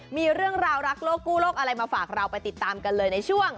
มีเรื่องราวรักโลกกู้โลกอะไรมาฝากเราไปติดตามกันเลยในช่วง